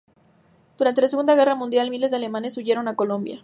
Durante la Segunda Guerra Mundial, miles de alemanes huyeron a Colombia.